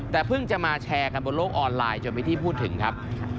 แต่เพิ่งจะมาแชร์กันบนโลกออนไลน์จนมีที่พูดถึงครับ